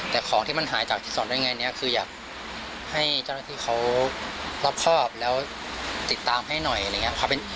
แต่ของที่มันหายจากที่สอนได้ไงเนี่ยคืออยากให้เจ้าหน้าที่เขารอบครอบแล้วติดตามให้หน่อยอะไรอย่างนี้